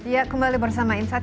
ya kembali bersama insight